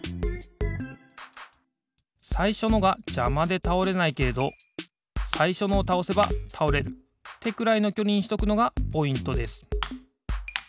さいしょのがじゃまでたおれないけれどさいしょのをたおせばたおれるってくらいのきょりにしとくのがポイントです。